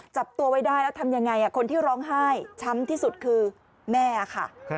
จับตัวไว้ได้แล้วทำยังไงคนที่ร้องไห้ช้ำที่สุดคือแม่ค่ะ